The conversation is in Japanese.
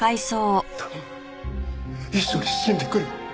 頼む一緒に死んでくれ！